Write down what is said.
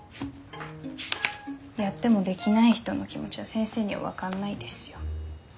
やってもできない人の気持ちは先生には分かんないですよ。